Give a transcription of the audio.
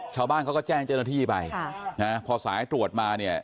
ชาวบ้านเขาก็แจ้งจนที่ไปนะฮะพอสายตรวจมาเนี่ย